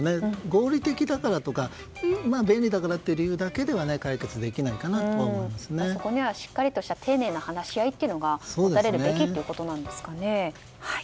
合理的だからとか便利だからという理由だけではそこにはしっかりとした丁寧な話し合いが持たれるべきということですかね。